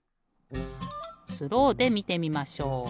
スローでみてみましょう。